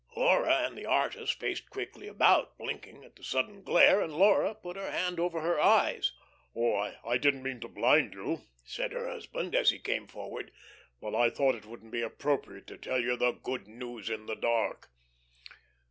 Laura and the artist faced quickly about, blinking at the sudden glare, and Laura put her hand over her eyes. "Oh, I didn't mean to blind you," said her husband, as he came forward. "But I thought it wouldn't be appropriate to tell you the good news in the dark."